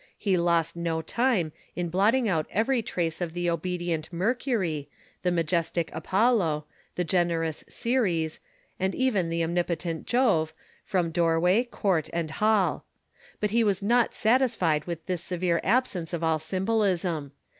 He lost no time in blotting out every trace of the obedient Mercury, the majestic Apollo, the generous Ceres, and even the omnipotent Jove, from doorway, court, and hall. But he was not satis fied with this severe absence of all symbolism.